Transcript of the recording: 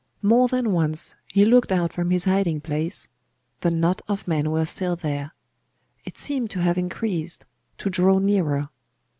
More than once he looked out from his hiding place the knot of men were still there;.... it seemed to have increased, to draw nearer.